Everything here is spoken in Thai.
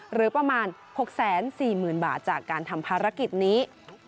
หรือประมาณ๖๔๐๐๐บาทจากการทำภารกิจนี้